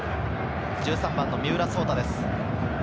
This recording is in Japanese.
１３番の三浦です。